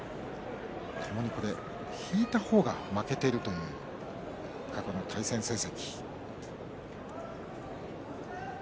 ともに引いた方が負けているという過去の対戦成績。